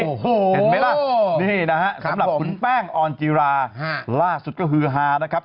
เห็นไหมล่ะนี่นะฮะสำหรับคุณแป้งออนจีราล่าสุดก็คือฮานะครับ